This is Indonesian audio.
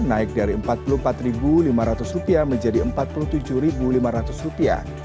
naik dari rp empat puluh empat lima ratus menjadi rp empat puluh tujuh lima ratus